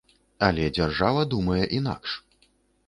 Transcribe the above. Але дзяржава думае інакш.